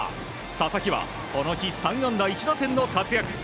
佐々木はこの日３安打１打点の活躍。